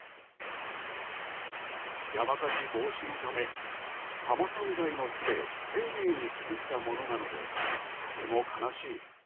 山火事防止のため多摩産材の木で丁寧に作ったものなのでとても悲しい。